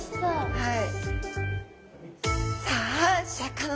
はい。